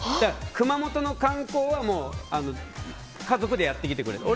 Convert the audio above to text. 熊本の観光は家族でやってきてくれと。